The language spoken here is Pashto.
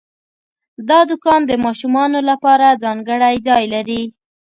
دا دوکان د ماشومانو لپاره ځانګړی ځای لري.